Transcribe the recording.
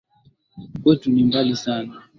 Kwetu, ni mbali sana.